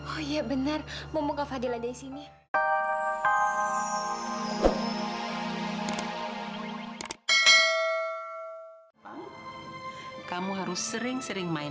oh iya benar mau buka fadila dari sini